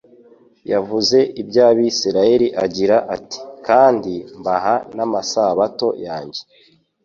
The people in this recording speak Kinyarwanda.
Yavuze iby'abisiraeli agira ati : "Kandi mbaha n'amasabato yanjye